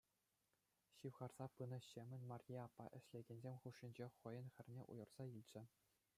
Ҫывхарса пынӑ ҫемӗн Марье аппа ӗҫлекенсем хушшинче хӑйӗн хӗрне уйӑрса илчӗ.